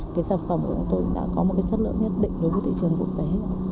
cái sản phẩm của chúng tôi đã có một cái chất lượng nhất định đối với thị trường quốc tế